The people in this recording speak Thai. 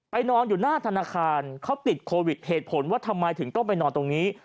นอนอยู่หน้าธนาคารเขาติดโควิดเหตุผลว่าทำไมถึงต้องไปนอนตรงนี้